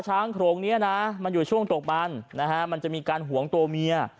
โครงนี้นะมันอยู่ช่วงตกมันนะฮะมันจะมีการหวงตัวเมีย